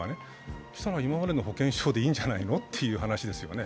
今までの保険証でいいんじゃないのという話ですよね。